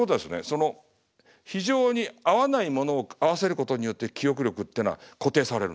その非常に合わないものを合わせることによって記憶力ってのは固定されるんです。